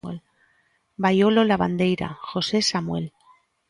Baiolo Lavandeira, José Samuel.